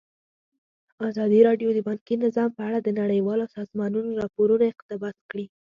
ازادي راډیو د بانکي نظام په اړه د نړیوالو سازمانونو راپورونه اقتباس کړي.